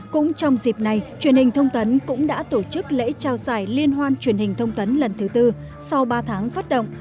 cũng trong dịp này truyền hình thông tấn cũng đã tổ chức lễ trao giải liên hoan truyền hình thông tấn lần thứ tư sau ba tháng phát động